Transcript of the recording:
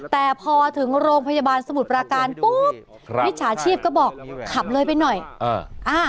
แต่พอถึงโรงพยาบาลสมุทรปราการปุ๊บครับมิจฉาชีพก็บอกขับเลยไปหน่อยอ่า